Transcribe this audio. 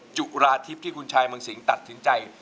จุราทิพย์ที่คุณชายเมืองสิงตัดสินใจ